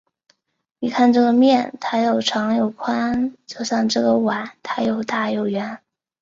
你看这个面，它又长又宽，就像这个碗，它又大又圆。